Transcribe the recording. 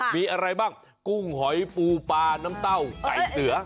มีอะไรบ้างกุ้งหอยปูปลาน้ำเต้าไก่เสือ